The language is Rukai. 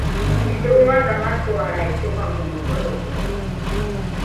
ni’idholroadha matoalrai toramoro ve’eve’e